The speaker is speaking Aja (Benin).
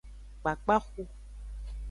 Kpakpaxu.